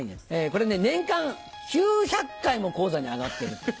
これね年間９００回も高座に上がってるって。